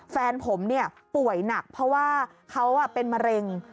แฟนผมป่วยหนักเพราะว่าเขาเป็นมะเร็ง